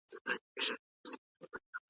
ایا کوچني پلورونکي وچ زردالو اخلي؟